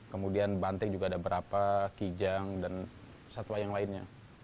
kemudian banteng juga ada berapa kijang dan satwa yang lainnya